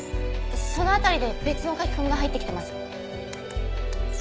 その辺りで別の書き込みが入ってきてます。